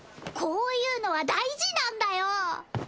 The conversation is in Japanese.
こういうのは大事なんだよ！